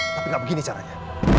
tapi gak begini caranya